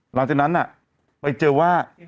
หลังจากนั้นไปเจอว่า